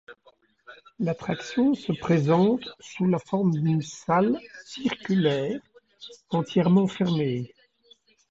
L'attraction se présente sous la forme d'une salle circulaire entièrement fermée.